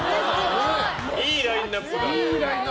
いいラインアップだ。